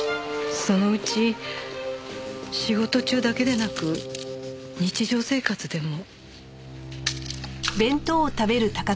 そのうち仕事中だけでなく日常生活でも。